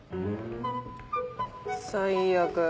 最悪。